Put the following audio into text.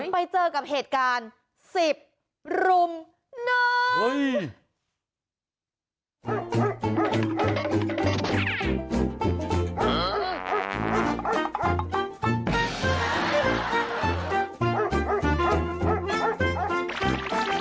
ไปเจอกับเหตุการณ์๑๐รุมน้อย